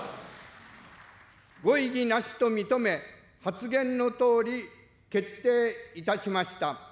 ご異議なしと認め、発言のとおり決定いたしました。